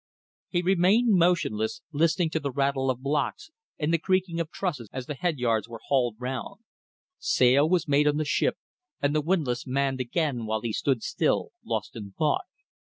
He remained motionless, listening to the rattle of blocks and the creaking of trusses as the head yards were hauled round. Sail was made on the ship and the windlass manned again while he stood still, lost in thought.